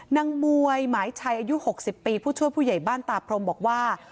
นางมวยหมายชัยอายุ๖๐ปีผู้ช่วยผู้ใหญ่บ้านตาพรมบอกว่า